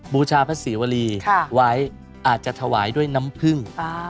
บูชาพระศรีวรีไว้อาจจะถวายด้วยน้ำผึ้ง